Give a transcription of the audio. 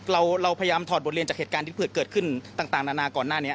เราพยายามถอดบทเรียนจากเหตุการณ์ที่เกิดขึ้นต่างนานาก่อนหน้านี้